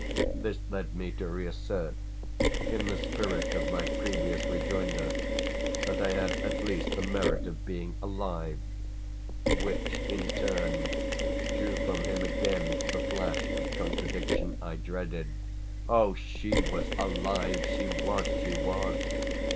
This led me to reassert, in the spirit of my previous rejoinder, that I had at least the merit of being alive; which in turn drew from him again the flash of contradiction I dreaded. "Oh, she was alive! she was, she was!"